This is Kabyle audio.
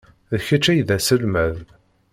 D kečč ay d aselmad.